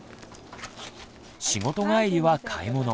仕事帰りは買い物。